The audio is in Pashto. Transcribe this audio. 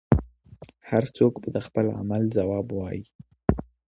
هر څوک به د خپل عمل ځواب وايي.